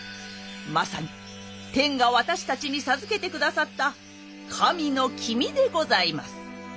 まさに天が私たちに授けてくださった神の君でございます。